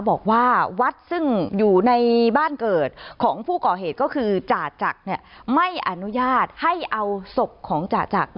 บอกว่าวัดซึ่งอยู่ในบ้านเกิดของผู้ก่อเหตุก็คือจ่าจักรไม่อนุญาตให้เอาศพของจ่าจักร